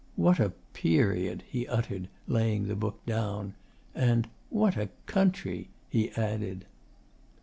'What a period!' he uttered, laying the book down. And 'What a country!' he added.